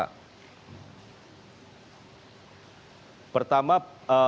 kenapa harus dua pak